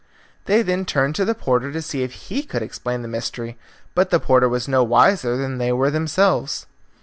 They then turned to the porter to see if he could explain the mystery, but the porter was no wiser than they were themselves.